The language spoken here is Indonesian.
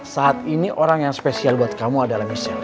saat ini orang yang spesial buat kamu adalah michelle